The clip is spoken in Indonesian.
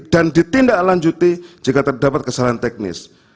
dan ditindaklanjuti jika terdapat kesalahan teknis